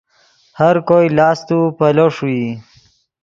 ہر کوئی لاست و پیلو ݰوئی